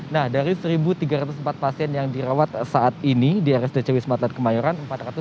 nah dari satu tiga ratus empat pasien yang dirawat saat ini di rsdc wisma atlet kemayoran